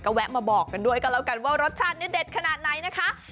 แวะมาบอกกันด้วยกันแล้วกันว่ารสชาติเนี่ยเด็ดขนาดไหนนะคะ